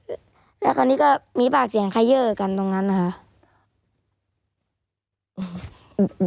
แล้วคราวนี้ก็มีปากเสียงใครเยอร์กันตรงนั้นนะคะ